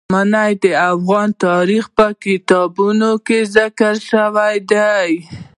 منی د افغان تاریخ په کتابونو کې ذکر شوی دي.